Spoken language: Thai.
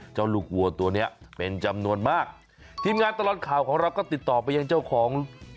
เจ้าลูกวัวตัวเนี้ยเป็นจำนวนมากทีมงานตลอดข่าวของเราก็ติดต่อไปยังเจ้าของ